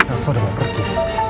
elsa udah mau pergi